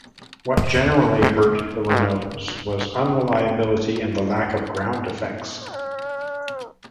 What generally hurt the Renaults was unreliability, and the lack of ground effects.